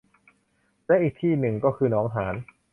และอีกที่หนึ่งก็คือหนองหาร